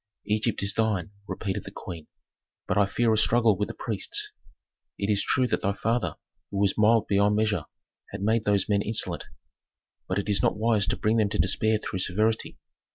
"Egypt is thine," repeated the queen, "but I fear a struggle with the priests. It is true that thy father, who was mild beyond measure, has made those men insolent, but it is not wise to bring them to despair through severity.